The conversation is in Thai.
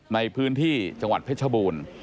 ในพื้นที่จังหวัดเพชรบูรณ์